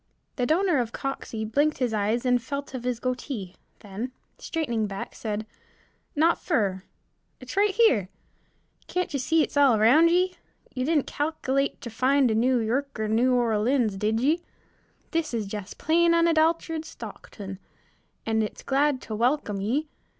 The donor of Coxey blinked his eyes and felt of his goatee, then, straightening back, said, "Not fer, it's right here. Can't you see it all round ye? Ye didn't cal'luate ter find a New Yirk er New Orlins, did ye? This is jest plain unadulterated Stockton, and it's glad ter welcome ye.